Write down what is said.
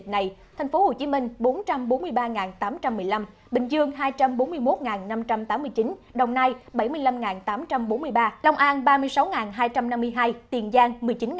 tp hcm bốn trăm bốn mươi ba tám trăm một mươi năm bình dương hai trăm bốn mươi một năm trăm tám mươi chín đồng nai bảy mươi năm tám trăm bốn mươi ba long an ba mươi sáu hai trăm năm mươi hai tiền giang một mươi chín năm